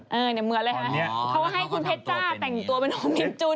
เหมือนเลยฮะเขาให้คุณเพชรจ้าแต่งตัวเป็นโฮมนินจุน